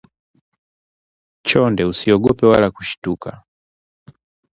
Chonde usiogope wala kushtuka